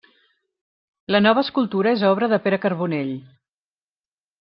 La nova escultura és obra de Pere Carbonell.